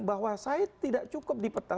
bahwa saya tidak cukup di peta